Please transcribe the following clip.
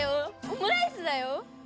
オムライスだよ？